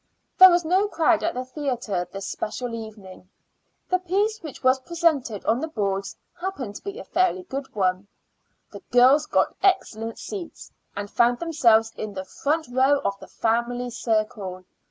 There was no crowd at the theater this special evening. The piece which was presented on the boards happened to be a fairly good one. The girls got excellent seats, and found themselves in the front row of the family circle.